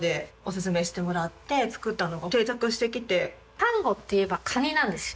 丹後っていえばカニなんですよ。